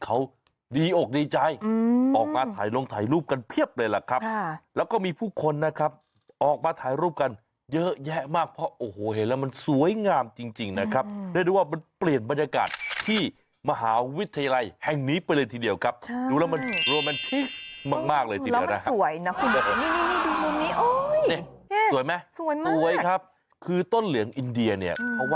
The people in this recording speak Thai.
โอ้โหที่จังหวัดปราจีนบุรี